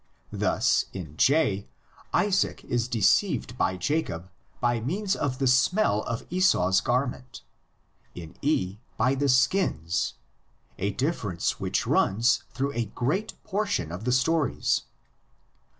Thus in J Isaac is deceived by Jacob by means of the smell of Esau's garments, in E by the skins, a difference which runs through a great portion of both stories.